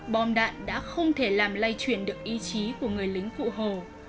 bom đạn đã không thể làm lay chuyển được ý chí của người lính cụ hồ